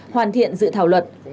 hoàn thiện dự thảo luận